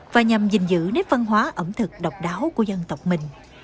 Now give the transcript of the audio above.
và nhằm gìn giữ nét văn hóa ẩm thực độc đáo của dân tộc mình